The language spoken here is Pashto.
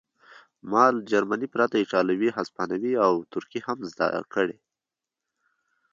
ما له جرمني پرته ایټالوي هسپانوي او ترکي هم زده کړې